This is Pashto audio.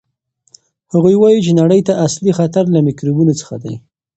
هغوی وایي چې نړۍ ته اصلي خطر له میکروبونو څخه دی.